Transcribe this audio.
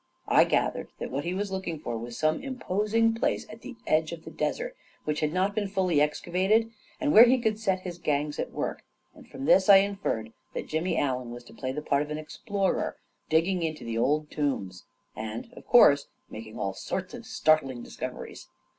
I gathered that what he was looking for was some imposing place at the edge of the desert, which had not been fully exca vated, and where he could set his gangs at work, and from this I inferred that Jimmy Allen was to play the part of an explorer digging into the old tombs, and, of course, making all sorts of startling discoveries.